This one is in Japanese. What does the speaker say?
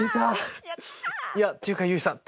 いやっていうか結衣さん